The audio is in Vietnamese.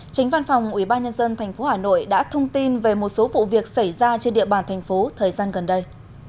tránh văn phòng ubnd tp hà nội đã thông tin về một số vụ việc xảy ra trên địa bàn thành phố thời gian gần đây